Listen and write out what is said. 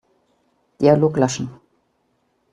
Dialog löschen.